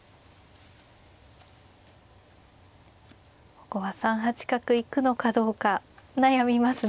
ここは３八角行くのかどうか悩みますね。